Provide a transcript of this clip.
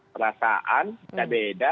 perasaan tidak beda